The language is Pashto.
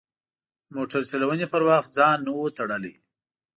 د موټر چلونې پر وخت ځان نه و تړلی.